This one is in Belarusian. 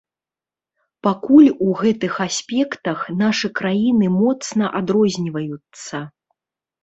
Пакуль у гэтых аспектах нашы краіны моцна адрозніваюцца.